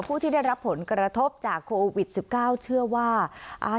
ผู้ที่ได้รับผลกระทบจากโควิดสิบเก้าเชื่อว่าอ่า